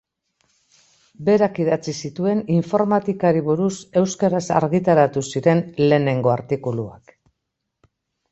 Berak idatzi zituen informatikari buruz euskaraz argitaratu ziren lehenengo artikuluak.